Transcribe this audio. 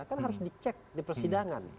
kan harus dicek di persidangan